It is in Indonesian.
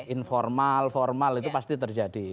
informal formal itu pasti terjadi